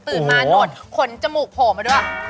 ตื่นมาหนวดขนจมูกผมมาด้วยอ่ะโอ้โฮ